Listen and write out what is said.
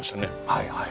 はいはい。